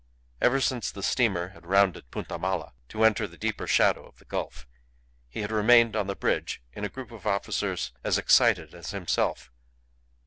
Ever since the steamer had rounded Punta Mala, to enter the deeper shadow of the gulf, he had remained on the bridge in a group of officers as excited as himself.